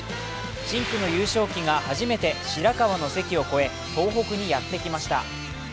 深紅の優勝旗が初めて白河の関を越え東北にやって来ました。